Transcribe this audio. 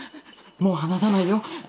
もう離さないよ。